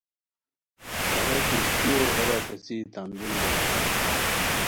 اوا کشتیو ہیرہ پیڅھی تان دُوری بغاتام